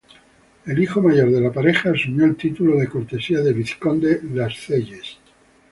El hijo mayor de la pareja asumió el título de cortesía de vizconde Lascelles.